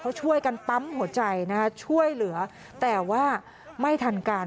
เขาช่วยกันปั๊มหัวใจนะฮะช่วยเหลือแต่ว่าไม่ทันการ